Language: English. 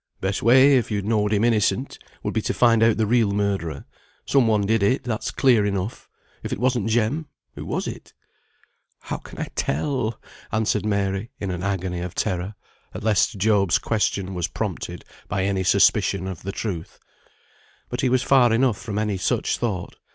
"Best way, if you know'd him innocent, would be to find out the real murderer. Some one did it, that's clear enough. If it wasn't Jem, who was it?" "How can I tell?" answered Mary, in an agony of terror, lest Job's question was prompted by any suspicion of the truth. But he was far enough from any such thought.